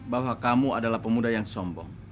bahwa kamu adalah pemuda yang sombong